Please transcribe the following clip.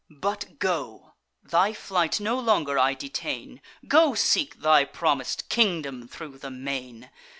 But go! thy flight no longer I detain; Go seek thy promis'd kingdom thro' the main!